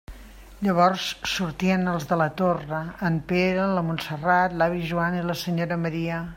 Llavors sortien els de la Torre: en Pere, la Montserrat, l'avi Joan i la senyora Maria.